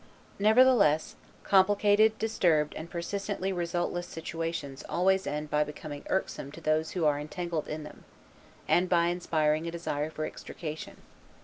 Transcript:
Nevertheless, complicated, disturbed and persistently resultless situations always end by becoming irksome to those who are entangled in them, and by inspiring a desire for extrication.